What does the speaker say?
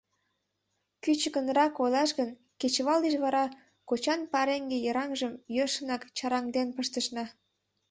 Кӱчыкынрак ойлаш гын, кечывал деч вара кочан пареҥге йыраҥжым йӧршынак чараҥден пыштышна.